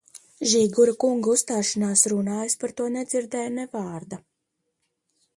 Žīgura kunga uzstāšanās runā es par to nedzirdēju ne vārda.